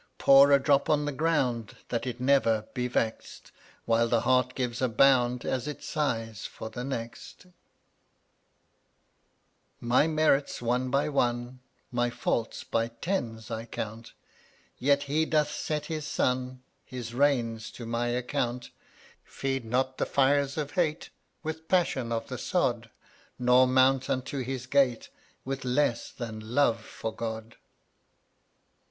Pour a drop on the ground That it never be vexed, While the heart gives a bound As it sighs for the next. eutt<$ 137 My merits one by one, d^tftA? My faults by tens, I count; „ Yet He doth set His sun, \J>£' His rains to my account. Feed not the fires of hate With passion of the sod, Nor mount unto His gate With less than love for God.